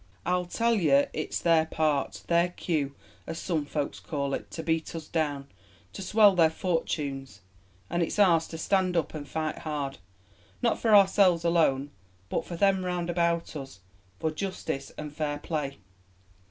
I'll tell yo' it's their part their cue, as some folks call it to beat us down, to swell their fortunes; and it's ours to stand up and fight hard not for ourselves alone, but for them round about us for justice and fair play.